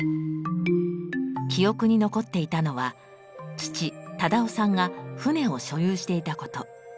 記憶に残っていたのは父・忠雄さんが船を所有していたこと。